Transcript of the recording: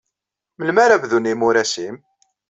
Melmi ara bdun yimuras-nnem?